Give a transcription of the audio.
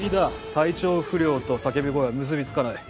体調不良と叫び声は結び付かない。